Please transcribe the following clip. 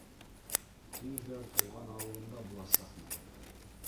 Тиҙҙән тыуған ауылымда буласаҡмын.